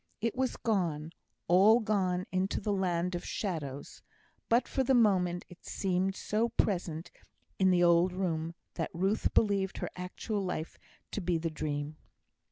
It was gone all gone into the land of shadows; but for the moment it seemed so present in the old room, that Ruth believed her actual life to be the dream.